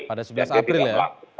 pada sebelas april ya